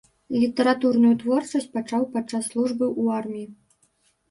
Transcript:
Літаратурную творчасць пачаў падчас службы ў арміі.